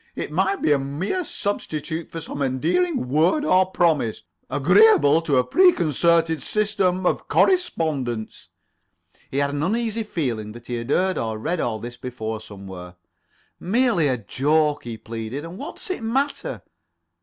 It might be a mere substitute for [Pg 26]some endearing word or promise, agreeably to a preconcerted system of correspondence." He had an uneasy feeling that he had heard or read all this before somewhere. "Merely a joke," he pleaded. "And what does it matter?"